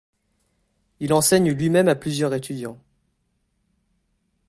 Il enseigne lui-même à plusieurs étudiants.